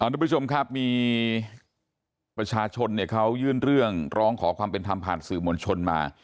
ทุกผู้ชมครับมีประชาชนเขายื่นเรื่องร้องขอความเป็นธรรมผ่านสื่อมวลชนมา